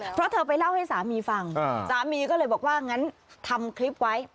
เพราะเธอไปเล่าให้สามีฟังสามีก็เลยบอกว่างั้นทำคลิปไว้